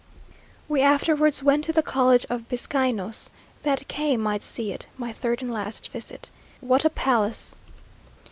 We afterwards went to the college of Bizcainos, that K might see it my third and last visit. What a palace!